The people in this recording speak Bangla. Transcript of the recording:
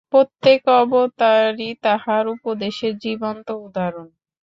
প্রত্যেক অবতারই তাঁহার উপদেশের জীবন্ত উদাহরণ।